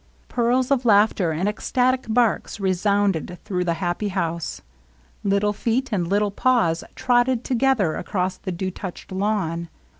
Peals of laughter and ecstatic barks re sounded through the happy house. Little feet and little paws trotted together across the dew touched lawn.